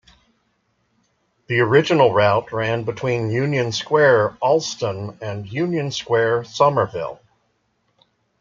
The original route ran between Union Square, Allston and Union Square, Somerville.